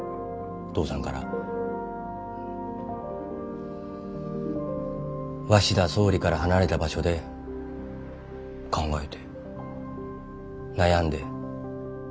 父さんから鷲田総理から離れた場所で考えて悩んで。